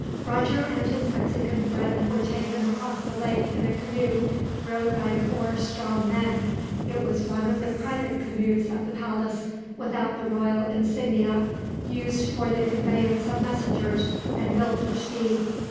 Roger and his Mexican friend were taken across the lake in a canoe, rowed by four strong men. It was one of the private canoes of the palace, without the royal insignia; used for the conveyance of messengers, and built for speed.